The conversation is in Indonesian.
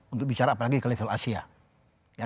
untuk bicara apalagi ke level asia